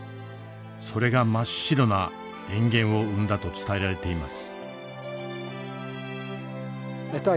それが真っ白な塩原を生んだと伝えられています。